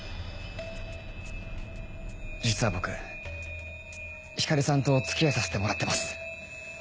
実は僕光莉さんとお付き合いさせてもらってます。